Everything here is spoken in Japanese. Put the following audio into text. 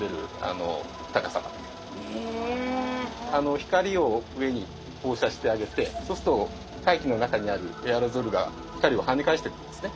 光を上に放射してあげてそうすると大気の中にあるエアロゾルが光を跳ね返してくるんですね。